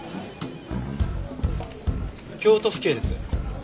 京都府警です。